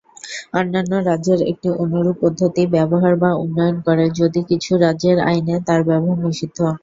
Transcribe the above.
অন্যান্য রাজ্যের একটি অনুরূপ পদ্ধতি ব্যবহার বা উন্নয়ন করে, যদিও কিছু রাজ্যের আইনে তার ব্যবহার নিষিদ্ধ।